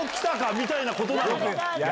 みたいなことなのか？